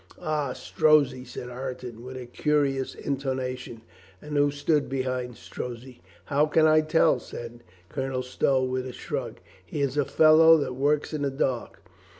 "Ah, Strozzi," said Ireton, with a curious intona tion, "and who stood behind Strozzi?" "How can I tell?" said Colonel Stow, with a shrug. "He is a fellow that works in the dark."